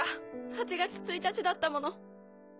８月１日だったもの。